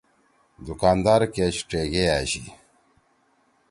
دُکاندار کیش ڇیگے أشی۔